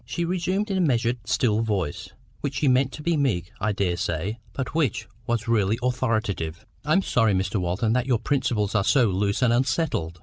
She resumed in a measured still voice, which she meant to be meek, I daresay, but which was really authoritative— "I am sorry, Mr Walton, that your principles are so loose and unsettled.